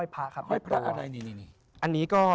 พระพุทธพิบูรณ์ท่านาภิรม